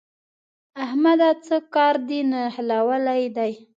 احمده! څه کار دې نښلولی دی؟